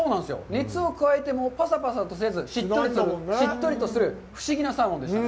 熱を加えてもパサパサとせず、しっとりとする不思議なサーモンでした。